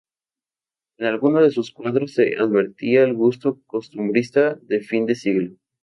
En algunos de sus cuadros se advertía el gusto costumbrista de fin de siglo.